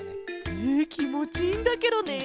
えきもちいいんだケロね。